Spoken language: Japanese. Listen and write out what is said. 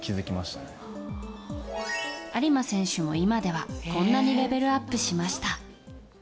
有馬選手も今ではこんなにレベルアップしました。